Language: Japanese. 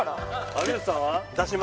有吉さんは？